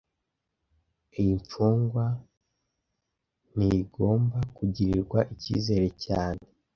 Iyi mfungwa ntigomba kugirirwa ikizere cyane